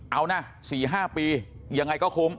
เอานะ๔๕ปียังไงก็คุ้ม